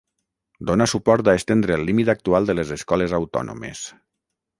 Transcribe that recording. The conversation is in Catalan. Dona suport a estendre el límit actual de les escoles autònomes.